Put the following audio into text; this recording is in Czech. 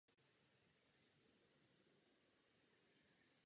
Oba druhy pocházejí z východní Asie.